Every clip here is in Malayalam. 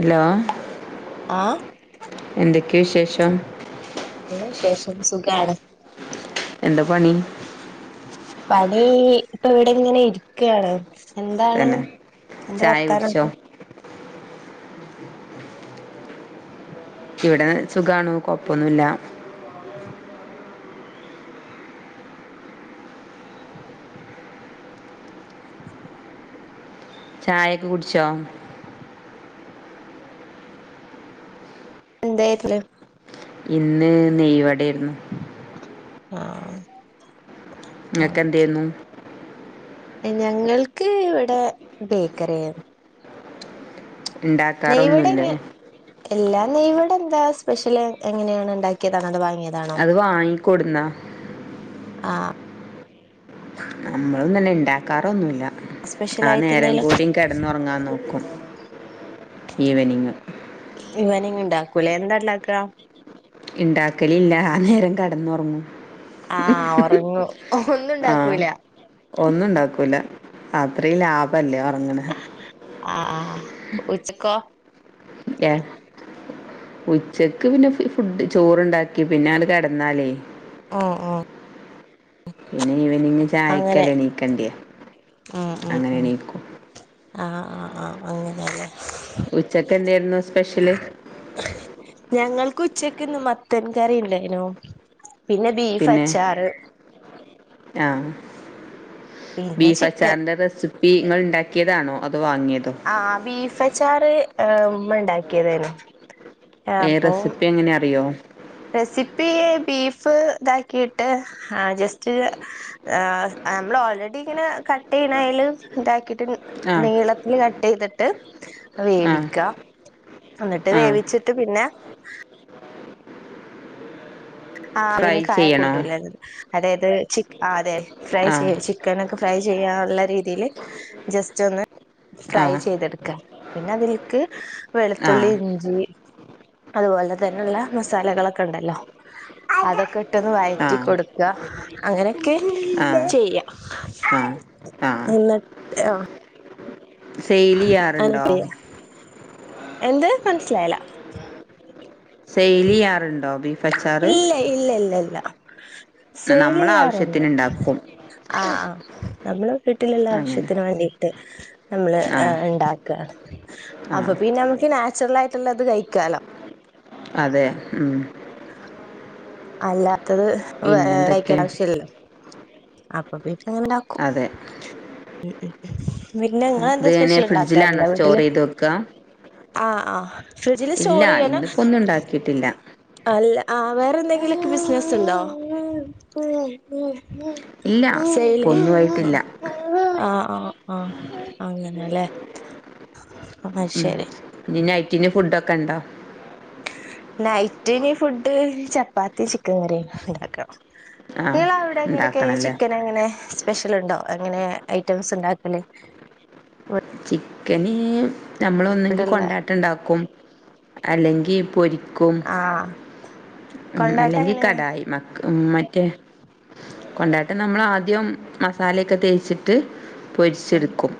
ഹലോ ആഹ് എന്തൊക്കെയ വിശേഷം നല്ല വിശേഷം സുഖാണ് എന്താ പണി പണി ഇപ്പ ഇവിടെ ഇങ്ങനെ ഇരിക്കയാണ് എന്താണ് തന്നെ എന്ത് ചായ കുടിച്ചോ വർത്താനൊക്കെ ഇവിടെ സുഖാണ് കൊഴപ്പൊന്നുമില്ല ചായൊക്കെ കുടിച്ചോ എന്തട്ട ഇന്ന് നെയ്‌വടയേരുന്നു ആഹ നിങ്ങക്ക് എന്തെർന്നു ഞങ്ങൾക്ക് ഇവിടെ ബേക്കറിയ ഉണ്ടാക്കാറൊന്നുല്ലേ എല്ലാം നെയ്‌വട ഇവിടെ എന്താ സ്പെഷ്യൽ എങ്ങനെയാണ് ഉണ്ടാക്കിയതാണത് അത് വാങ്ങിക്കൊടുന്ന ആഹ നമ്മളും തന്നെ ഇണ്ടാക്കാർ ഒന്നുമല്ല സ്പെഷ്യൽ ആ ആയിട്ട് നേരം എന്തേലൊക്കെ കൂടിയും കിടന്നുറങ്ങാൻ നോക്കും ഈവനിങ് ഈവെനിംഗ് ഇങ്ങണ്ടാക്കുംലെ എന്താ ഇണ്ടാക്ക ഇണ്ടാക്കല് ഇല്ല ആ നേരം കെടന്ന് ഉറങ്ങും ആഹ ഉറങ്ങു ഒന്നും ആ ഉണ്ടാക്കൂല ഒന്നും ഉണ്ടാക്കൂല അത്രയും ലാഭല്ലേ ഉറങ്ങണ ആഹ ആ ഉച്ചക്കോ ഏഹ ഉച്ചക്ക് പിന്നെ ഫുഡ് ചോറണ്ടാക്കി പിന്നെ അത് കിടന്നാലേ ഓ ആഓ പിന്നെ ഈവെനിംഗ് അങ്ങനെ ചായക്കല്ല എണീക്കണ്ടേയ് ഉം ഉം അങ്ങനെ ഉം എണീക്കും ആഹ് ആഹ് ആഹ് അങ്ങനെയല്ലേ ഉച്ചക്ക് എന്തെർന്നു സ്പെഷ്യല് ഞങ്ങൾക്ക് ഉച്ചക്ക് ഇന്ന് മത്തൻ കറിണ്ടേനു പിന്നെ ബീഫ് പിന്നെ അച്ചാറ് ആ പിന്നെ ബീഫ് ചിക്കൻ അച്ചാറിന്റെ റെസിപ്പി ഇങ്ങൾ ഉണ്ടാക്കിയതാണോ അതോ വാങ്ങിയതോ ആ ബീഫ് അച്ചാറ് ഉമ്മ ഉണ്ടാക്കിയതെർന്നു ഏ റെസിപ്പി എങ്ങനെ അറിയോ റെസിപ്പി ബീഫ് ഇതാക്കിട്ട് ആ ജസ്റ്റ് ആ നമ്മള് ഓൾറെഡി ഇങ്ങനെ കട്ട് ചെയ്യണാലും ഇതാക്കിട്ട് ആ നീളത്തില്ൽ കട്ട് ചെയ്തിട്ട് ആ വേവിക്ക എന്നിട്ട് ആ വേവിച്ചിട്ട് പിന്നെ ആ ഫ്രൈ അതിന് കായ ചെയ്യണോ കൂട്ടൂലത് അതായത് അതെ ഫ്രൈ ആ ചെയ്യ ചിക്കനൊക്കെ ഫ്രൈ ചെയ്യാനുള്ള രീതീല് ജസ്റ്റ് ഒന്ന് ആ ഫ്രൈ ചെയ്തെടക്ക പിന്നെ അതിലേക്ക് ആ വെളുത്തുള്ളി ഇഞ്ചി അതുപോല തന്നെള്ള മസാലകളൊക്കെ ഇണ്ടല്ലോ. [inaudible] അതൊക്കെ ഇട്ടത് ആ വഴറ്റി കൊട്ക്ക അങ്ങനെയൊക്കെ ആ ചെയ്യാ ആ ആ എന്നിട്ട് ആ സെയിലിയാറുണ്ടോ? എന്ത് മനസ്സിലായില? സെയിലിയാരുണ്ടോ ബിഫ് ഇല്ല ഇല്ല ഇല്ലില്ല നമ്മളെ സയിലിയാർ ഒന്ന് ആവശ്യത്തിന് ഉണ്ടാക്കും ആ ആഹ നമ്മള് വീട്ടിലുള്ള അങ്ങനെ ആവശ്യത്തിന് വേണ്ടി നമ്മള് ആ ഇൻണ്ടാക്കാണ് ആ അപ്പൊ പിന്നെ നമ്മക്ക് നാച്ചുറലായിട്ടള്ളത് കഴിക്കാലോ. അതെ മം. അല്ലാത്തത് വേ പിന്നെന്തൊക്കെ കഴക്കണ്ട ആവശ്യല്ലല്ലോ അപ്പൊപി അങ്ങനെണ്ടാക്കും. അതെ പിന്നെ ഇങ്ങളെ ഇത് എന്താ എങ്ങനെ സ്പെഷ്യൽ ഫ്രിഡ്ജിലാണോ ഇൻണ്ടാക്കാറില്ല സ്റ്റോർ വീട്ടില് ചെയ്ത് വെക്കുക ആ ആഹ്‌ ഫ്രിഡ്ജില് ഇല്ല സ്റ്റോർ ചെയ്യാന ഇന്നിപ്പോ ഒന്നും ഉണ്ടാക്കിയിട്ടില്ല അല്ല ആ വേറെ എന്തെങ്കിലൊക്കെ ബിസിനസ് ഉണ്ടോ? ഇല്ല ഇപ്പൊ സെയില് ഒന്നും ആഹ്. ആയിട്ടില്ല ആഹ്‌ ആഹ്‌ അങ്ങനെല്ലേ ആഹ ശരി. ഇന് ഫുഡൊക്കെ എന്താ? നൈറ്റ്ന് ഫുഡ് ചപ്പാത്തി ചിക്കൻകറിം ഉണ്ടാക്കണം. ആ നിങ്ങളവിടെ ഇങ്ങനെക്കേ ഉണ്ടാക്കണല്ലേ ചിക്കൻ എങ്ങനെ? സ്പെഷ്യൽ ഇണ്ടോ എങ്ങനെ ഐറ്റംസ് ഇണ്ടാക്കല്? ക്കന്. നമ്മളൊന്നങ്കി വീട്ടിലുള്ള കൊണ്ടാട്ടം ഇണ്ടാക്കും അല്ലെങ്കി പൊരിക്കും. ആഹ് മം കൊണ്ടാട്ടം അല്ലെങ്കി എങ്ങനെയാ കടായി മക്ര മം മ റ്റേ കൊണ്ടാട്ടം നമ്മളാ ആദ്യം മസാലയൊക്കെ തേച്ചിട്ട് ഉം പൊരിച്ചിടക്കും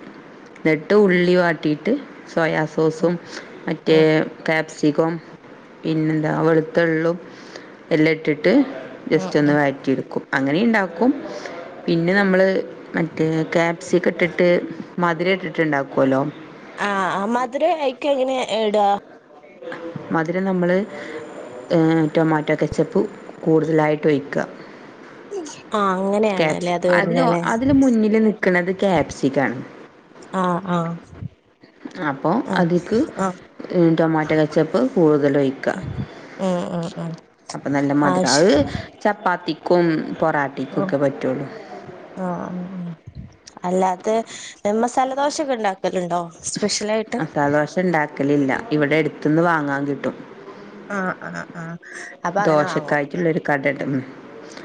ഇന്നിട്ട് ഉള്ളി വാട്ടീട്ട് സോയാ ഉം സോസും മറ്റേ കാപ് സിക്കം പിന്നെ എന്താ വെളിത്തള്ളും എല്ലം ഇട്ട് ട്ട് ഉം ജസ്റ്റ്‌ ഉം ഒന്ന് വയറ്റി എടക്കും അങ്ങനിം ഇണ്ടാക്കും പിന്നെ നമ്മള് മറ്റേ ക്യാപ്‌സിക്കം ഇട്ടിട്ട് മധിരം ഇട്ടിട്ട്ൻണ്ടാക്കോല്ലോ. ആ ആഹ്‌ മധുരം ഐക്ക്‌ എങ്ങനെ ഇട? മധുരം നമ്മള് ഏഹ് ടൊമാറ്റോ കച്ചപ്പു കൂടുതലായിട്ട് ഒഴിക്ക. ആഹ് അങ്ങനെയാണല്ലേ കാപ്സിക് അത് അതിലോ വരുന്നല്ലേ അതില് മുന്നില് നിക്കണത് ക്യാപ്സികാണ്. ആഹ്‌ ആ. അപ്പൊ അതിക്ക് ടൊമാറ്റൊ കച്ചപ്പ് കൂടുതലൊഴിക്ക. മം മം മം. അപ്പ നല്ല മധുര അത് ചപ്പാത്തിക്കും പൊറാട്ടിക്കൊക്കെ പറ്റൊള്ളൂ. അല്ലാത്ത മസാലദോശൊക്കെ ഇണ്ടാക്കലണ്ടോ? മസാലദോശ ഇണ്ടാക്കലില്ല ഇവിടെ എടത്തിന്ന് വാങ്ങാൻ കിട്ടും. ആഹ്‌ ആഹ്‌ ആഹ്‌ ദോശക്കായിട്ടിള്ളൊരു കട ഇണ്ട് മം.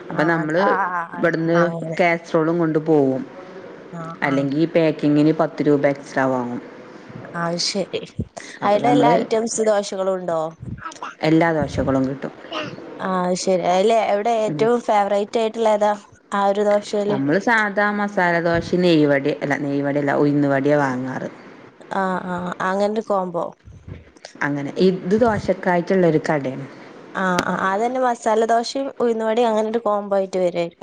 അപ്പം ആഹ് അത് നമ്മള് ആഹ് ആഹ് ഇവടന്ന് ആഹ് അങ്ങനെ കാസ്രോളും കൊണ്ട് പോവും ആഹ് ആഹ് അല്ലെങ്കി ഈ പേക്കിങ്ങിന് പത്ത് രൂപ എക്സ്ട്രാ വാങ്ങും. അയ്ശരി അപ്പം അയില് നമ്മൾ എല്ലാ ഐറ്റംസ് ദോശകളും ഉണ്ടോ? എല്ലാ ദോശകളും കിട്ടും. രി [unintelligible] അയിലെ അവിടെ ഏറ്റവും ഫേവറേറ്റ് ആയിട്ടുള്ള ഏതാ? ആ ഒരു ദോഷ നമ്മള് സാധാ മസാലദോശീം നെയ്യ് വടി അല്ല നെയ് വടെല്ല ഉയുന്ന് വട്യാ വാങ്ങാറ്. ആ ആഹ അങ്ങനൊരു കോമ്പോ അങ്ങനെ ഇതു ദോശക്കായിട്ടുള്ളൊരു കടെണ്. ആ ആ അതെന്നെ മസാലദോശയും ഉയുന്ന് വടയും അങ്ങനൊരു കോമ്പോ ആയി.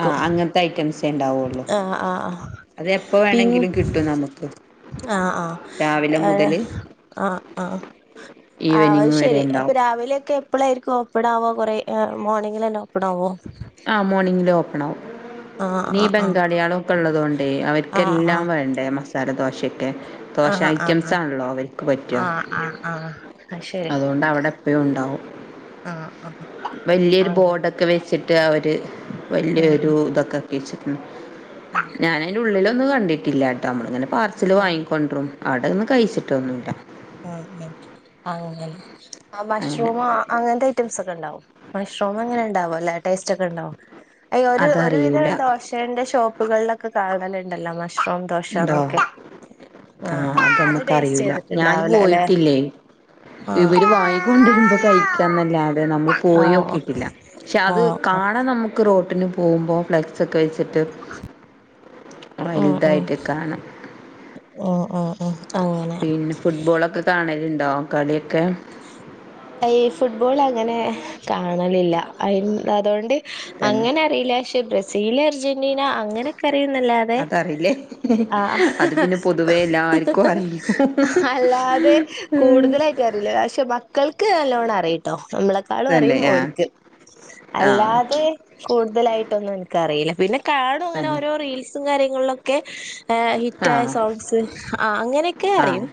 ആ അങ്ങൻത്തെ ഐറ്റംസേ ണ്ടാവൊള്ളു. ആഹ് ആഹ് ആഹ് അത് എപ്പോ വേണെങ്കിലും കിട്ടും നമുക്ക്. ആ ആ രാവിലെ എയ മുതല് [unintelligible] ആ ആ ആ ഈവനിങ് വരെ അത്ശെരി അപ്പൊ ഉണ്ടാവും രാവിലെക്കെ. എപ്പ്ളായിരിക്കും ഓപ്പാണാവ കൊറെ അ് മോർണിങ്ങിലെന്നെ ഒപ്പണാവോ? ആ മോർണിംഗില് ഓപ്പണാവും. ആഹ് നീ ആഹ് ബംഗാളിയാളൊക്ക ള്ളതോണ്ടേ ആഹ് അവർക്ക്ല്ലാം വേണ്ടേ മസാല ദോശെ ദോശ ആഹ് ആഹ് ആഹ് ഐറ്റംസാണല്ലോ അവർക്ക് ആഹ് പറ്റാ. ആഹ് ആഹ് ആഹ് അത് അതോണ്ട് അവടെ പ്പേം ഉണ്ടാവും. ആ ആ വല്ല്യരു ബോർഡൊക്കെ വെച്ചിട്ട് അവര് ഉം വലിയൊരു ഉം തൊക്കെക്കാക്കി വെച്ചിക്ക്ണ്. ആഹ് ഞാൻ അയിന്റെ ഉള്ളിലൊന്നും കണ്ടിട്ടില്ലാട്ടോ മ്മള് ങ്ങനെ പാർസല് വാങ്ങിക്കൊണ്ട്‌റും. അവ്ടെന്ന് കഴിച്ചിട്ടൊന്നൂല്ല. ം ംഅങ്ങനെ അ അങ്ങനെ മഷ്റൂമ അങ്ങനത്തെ അയ് ഐറ്റംസൊക്കെണ്ടാവും മഷ്റൂമെങ്ങനെ ണ്ടാവോല്ലെ ടേസ്റ്റോക്കെണ്ടോ? അയ് ഒരു അതറിയൂല ഒരുവിധം ദോശന്റെ ഷോപ്പുകളിലൊക്കെ കാണാലുണ്ടല്ലോ മ ശ്റും ഉണ്ടോ ദോശാന്നൊക്കെ ആ അത് ടേസ്റ്റ് ചെയ്തിട്ട് ഞാന് പോയിട്ടില്ലേ. ആഹ് ഇവര് വാങ്ങിക്കൊഹ്ണ്ടരുമ്പോ കഴിക്കാന്നല്ലാതെ നമ്മള് ആഹ് പോയോകീട്ടില്ല. പക്ഷെ അത് ആഹ് ക ആണ് നമുക്ക് റോട്ടിന് പോകുമ്പോ ഫ്ലക്സൊക്ക വെച്ചിട്ട് വലുതായിട്ട്. കാണാം ഒ ഒ ഒ പിന്നെ ഫുട്ബോളൊക്കെ കാണല്ണ്ടോ? കളിയൊക്കെ? അയീ ഫുട്ബോളങ്ങനെ കാണലില്ല അയ് അതോണ്ട്. തന്നെ അങ്ങനെ അറീല്ല ക്ഷെ ബ്രസീൽ അർജന്റി ന്റീന അങ്ങനൊക്കെ അറിയുന്നല്ലാതെ അതറിയില്ലേ ആ അത് ഹ്ഹ പിന്നെ പൊതുവേ എല്ലാർക്കും ഹ്ഹ്ഹ് അറിയും അ്ഹ അല്ലാതെ കൂടുതലായിട്ട് അറീല്ല. പക്ഷെ മക്കൾക്ക് നല്ലോണം അറിയുട്ടോ നമ്മളെക്കാളും തന്നെ അറിയും ആ ഓൽക്ക് ആ അല്ലാതെ കൂട് ട്തലായിട്ടൊന്നും ഇൻക്ക്റീല്ല പിന്നെ കാണും ങ്ങനെ തന്നെ ഓരോ റീൽസും കാര്യങ്ങളിലൊക്കെ. ആ ആ ഹിറ്റായ സോങ്സ് ആ അങ്ങനെയൊക്കെ ആ അറിയും.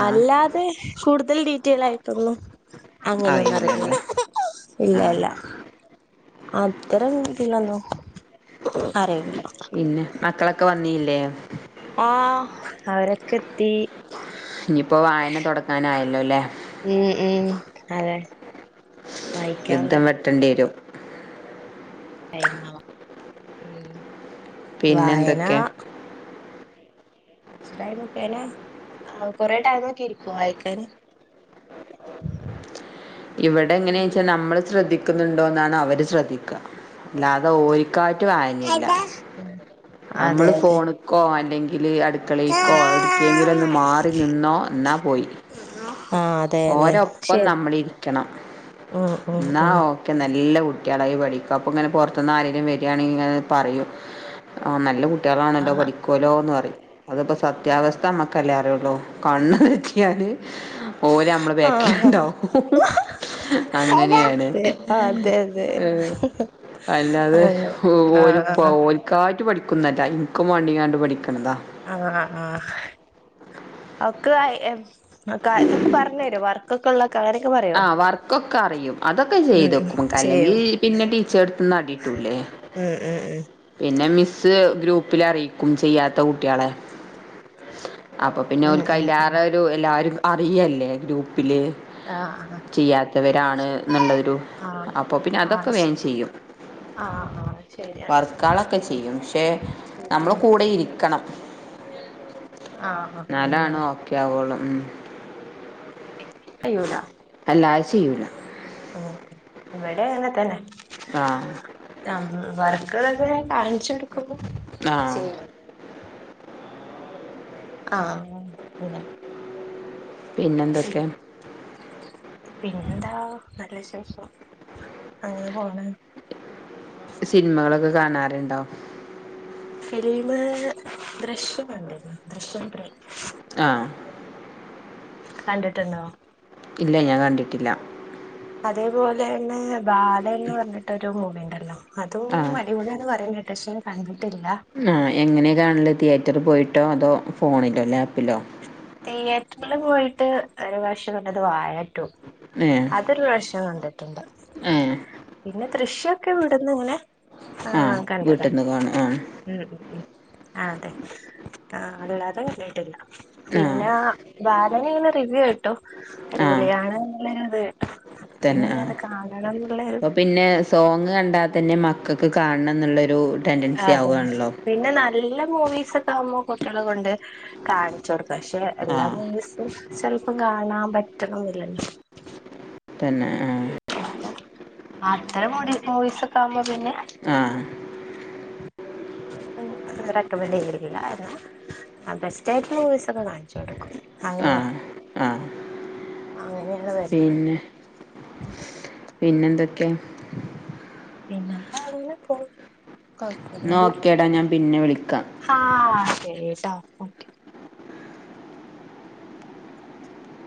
ആ അല്ലാതെ കൂടുതൽ ഡീറ്റെയിലായി ട്ടൊന്നും അങ്ങനൊന്നും അറിയില്ല അറിയൂലല്ലേ [unintelligible] ഇല്ല ആഹ് ല്ല അത്രരം [unintelligible] ഇതേലൊന്നും. പിന്നെ മക്കളൊക്കെ വന്നീല്ലേ? ആ അവരൊക്കെ എത്തീ. ആയല്ലോ ലെ. ം ംഅതെ യുദ്ധം വെട്ടേണ്ടിരും. ഉം പിന്നെ വായനാ എന്തൊക്കെ കൊറച്ച് ടൈമോക്കേനെ ആ കൊറെ ടൈമൊക്കെ ഇരിക്കോ വായിക്കാന്? [unintelligible] ഇവിടെ ങ്ങനെൺച്ചാ നമ്മൾ ശ്രദ്ധിക്കുന്നുണ്ടോ ന്നാണ് അവര് ശ്രദ്ധിക്കാ. ല്ലാതെ ഓൽക്കായിട്റ്റ് വായനീല്ല. അതെ നമ്മള് അതെ ഫോണിക്കോ അല്ലെങ്കി ആ അടുക്കളീക്കോ എടുക്കെങ്കിലോന്ന് മാറി നിന്നോ ന്നാ പോയി. അതെ അതെ ഓരോപ്പം ശരി നമ്മളിരിക്കണം. ഉം ഉം ന്നാ ഉം ഓക്കെ നല്ല കുട്ളായിപഠിക്കും അപ്പൊ ങ്ങനെ പൊറത്ത്ന്നാരേലും വേരാണെങ്കിങ്ങനെ പറയും ആ നല്ല കു ആ കുട്യാളാണല്ലോ പഠി അത്പ്പോ സത്യാവസ്ഥ നമ്മക്കല്ലേ അറ്യോള്ളു. ഓല് നമ്മളെബക്കില്ഹ്ണ്ടാവുംഹ്ഹും അതെ അങ്ങനെയാണ്. അതെ അതെ അല്ലാതെ അങ്ങനെ ആ ഒരു [unintelligible] പഠിക്ക ഇൻക്കും വാണ്ടിക്കാണ്ട് പഠിക്കണത ആ. ആ [unintelligible] അ. ഇതൊക്കെ പറഞ്ഞു തരും. വർക്കൊക്കള്ള ആ വർക്കൊക്കെ അറിയും. അതൊക്കെ ഉം ചെയ്തെക്കും. ചെയ്യും അല്ലെങ്കിൽ പിന്നെ ടീച്ചർ എടുത്തന്ന് അടിട്ടൂലെ. ഉം ഉം ഉം. പിന്നെ മിസ് ഗ്രൂപ്പിൽ അറിയിക്കും ചെയ്യാത്ത കുട്ട്യേളെ. അപ്പൊ പിന്നെ ഉം ഉം ഓല്ക്ക് ഉം ഉം അയിലേറെ ഒരു, എല്ലാരും അറിയല്ലേ ഗ്രൂപ്പില്. ആഹ [unintelligible] ഇവരാണ് എന്നുള്ളരു, അപ്പൊ പിന്നെ ആ അതൊക്കെ ശരി വേഗം ചെയ്യും. ആഹ് ആഹ് ശരിയാണ് ക്കളൊക്കെ ചെയ്യും, പക്ഷെ നമ്മൾ കൂടെ ഇരിക്കണം. ഇെ [unintelligible] ന്നാൽ ആണ് ഒകെ ആവുള്ളു. കയ്യൂല. [unintelligible] ഇവിടെ അങ്ങനെ തന്നെ ആഹ് ആഹ് [unintelligible] [inaudible] ആ. അങ്ങനെ. പിന്നെന്തൊക്കെ? പിന്നെന്താ നല്ല വിശേഷം അങ്ങനെ പോണ്. സിനിമകളൊക്കെ കാണാറുണ്ടോ? ഫിലിമ ദൃശ്യം കണ്ടിരുന്നു. ദൃശ്യം ത്രീ. ആ. കണ്ടിട്ടണ്ടോ? ഇല്ല ഞാൻ കണ്ടിട്ടില്ല. അതേപോലെന്നെ ബാലന് ന്ന് പറഞ്ഞിട്ടരു മൂവിണ്ട്. അതും അടിപൊളാന്ന് പറയുന്ന കേ ട്ട പക്ഷെ ഞാൻ കണ്ട് ആ എങ്ങനെയ കാണൽ? തിയേറ്റർ പോയിട്ടോ അതോ ഫോണിലോ ലാപ്പിലോ? തീയേറ്ററിൽ പോയിട്ട് ഒരു പ്രാവശ്യം കണ്ടത് വാഴ ആണ്. ഏഹ് അതൊരു പ്രാവശ്യം കണ്ടിട്ടുണ്ട്. ഏഹ് പിന്നെ ദൃശ്യൊക്കെ ഇവിടെന്നെന്നെ ഏ ആഹ് കണ്ടതാ. വീട്ടിന്ന് കാണും ആഹ് അതെ. ആ, അല്ലാതെ കാര്യായിട്ടില്ല. ആഹ് പിന്നെ ബാലൻ ഇങ്ങനെ റിവ്യൂ കേട്ടു. ആഹ് അടിപൊളിയാണ് ഇന്നിങ്ങനെ കേട്ട്. തന്നെ. അപ്പൊ പിന്നെ സോങ് കണ്ടാ തന്നെ മക്കൾക്ക് കാണണം എന്നുള്ളൊരു ടെൻഡൻസി അതെ. ആവുകയാണല്ലോ പിന്നെ നല്ല മൂവീസ ഒക്കെ ആവുമ്പോ കുട്ടികള കൊണ്ട് കാണിച്ചു കൊടുക്കും, പക്ഷെ എല്ലാ ആഹ് മൂവീസും ചെലപ്പം കാണാൻ പറ്റണംന്നില്ലല്ലോ. തന്നെ ആഹ് പ്പ അത്തരം മൂവീസ് ഒക്കെ ആവുമ്പോ പിന്നെ ആ റെക്കമെന്റ്റ് [unintelligible] ബെസ്റ്റ ആയിട്ട് മൂവീസൊക്കെ കാണിച്ചു കൊടുക്കും. ആ, അങ്ങനെയാണ് ആ. അങ്ങനെയാണ് വരുന്നത് പിന്നെ പിന്നെന്തൊക്കെ? പിന്നെ [unintelligible] എന്നാ കൊഴപ്പൊന്നുല്ല. ഓക്കേടാ ഞാൻ പിന്നെ വിളിക്കാം ശരിട്ടാ ഓക്കെ.